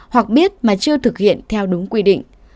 hoặc biết mà chưa thực hiện theo đúng quy định